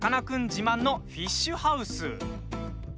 自慢のフィッシュハウス。